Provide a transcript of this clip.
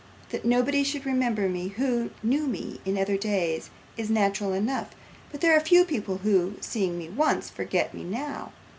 That nobody should remember me who knew me in other days, is natural enough; but there are few people who, seeing me once, forget me NOW.